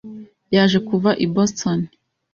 yaje kuva i Boston.